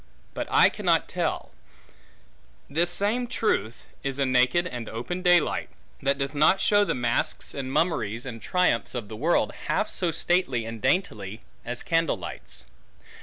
But I cannot tell; this same truth, is a naked, and open day light, that doth not show the masks, and mummeries, and triumphs, of the world, half so stately and daintily as candle lights.